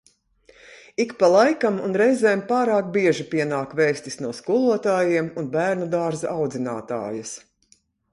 Ik pa laikam un reizēm pārāk bieži pienāk vēstis no skolotājiem un bērnudārza audzinātājas.